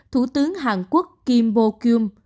thủ tướng hàn quốc kim bo kyum